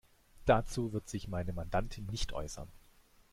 Dazu wird sich meine Mandantin nicht äußern.